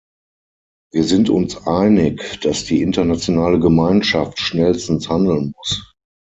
Wir sind uns einig, dass die internationale Gemeinschaft schnellstens handeln muss.